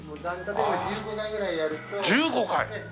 １５回！？